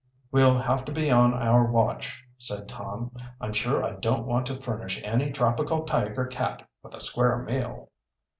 "We'll have to be on the watch," said Tom. "I'm sure I don't want to furnish any tropical tiger cat with a square meal."